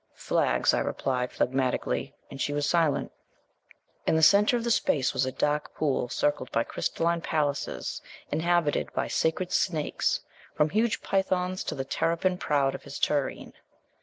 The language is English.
'Flags,' I replied phlagmatically, and she was silent. In the centre of the space was a dark pool, circled by crystalline palaces inhabited by the sacred snakes, from huge pythons to the terrapin proud of his tureen.